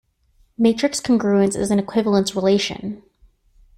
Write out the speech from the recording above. Matrix congruence is an equivalence relation.